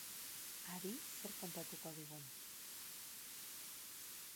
Adi zer kontatu digun.